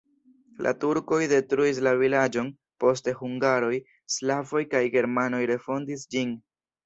La turkoj detruis la vilaĝon, poste hungaroj, slavoj kaj germanoj refondis ĝin.